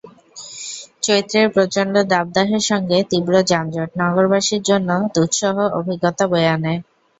চৈত্রের প্রচণ্ড দাবদাহের সঙ্গে তীব্র যানজট নগরবাসীর জন্য দুঃসহ অভিজ্ঞতা বয়ে আনে।